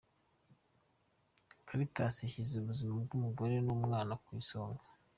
Caritas ishyize ubuzima bw’umugore n’umwana ku isonga.